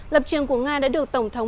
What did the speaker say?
lập trường của nga đã được tổng thống